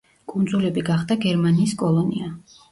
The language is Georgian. კუნძულები გახდა გერმანიის კოლონია.